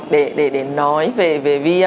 để nói về vio